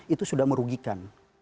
itu sudah merugikan